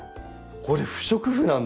これ不織布なんだ！